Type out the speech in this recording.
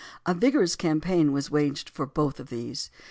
A vigorous campaign was waged for both of these.